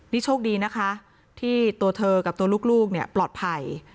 นี่โชคดีนะคะที่ตัวเธอกับตัวลูกปลอดภัย